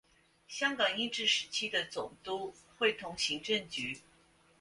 香港英治时期的总督会同行政局。